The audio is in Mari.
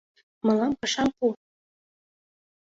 Мылам пашам пу.